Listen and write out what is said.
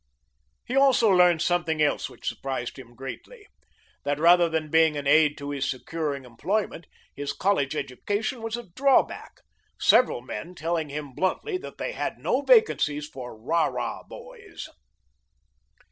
He also learned something else which surprised him greatly: that rather than being an aid to his securing employment, his college education was a drawback, several men telling him bluntly that they had no vacancies for rah rah boys.